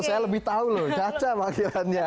saya lebih tahu loh caca panggilannya